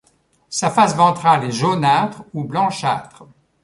Sa face ventrale est jaunâtre ou blanchâtre.